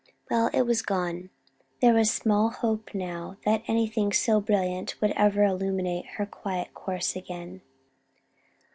Well, it was gone. There was small hope now that anything so brilliant would ever illuminate her quiet course again.